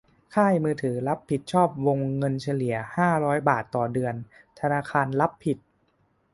ค่ายมือถือรับผิดชอบวงเงินเฉลี่ยห้าร้อยบาทต่อเดือน ธนาคารรับผิด